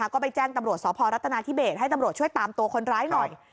ก็ไปแจ้งตำรวจสพรัฐนาธิเบสให้ตำรวจช่วยตามตัวคนร้ายหน่อย